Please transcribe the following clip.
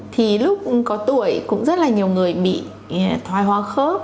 thì lúc có tuổi cũng rất là nhiều người bị thoái hóa khớp